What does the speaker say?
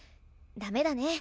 ダメだね。